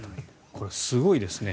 これ、すごいですね。